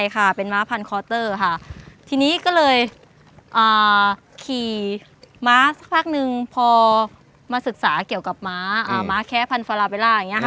ก็เลยขี่ม้าสักพักหนึ่งพอมาศึกษาเกี่ยวกับม้าแคะพันฟาราเบลา